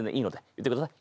言ってください。